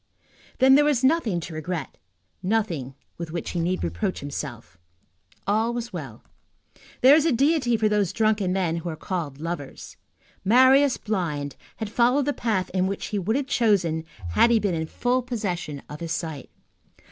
Then there was nothing to regret, nothing with which he need reproach himself. All was well. There is a deity for those drunken men who are called lovers. Marius blind, had followed the path which he would have chosen had he been in full possession of his sight.